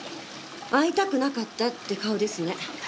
会いたくなかったって顔ですね。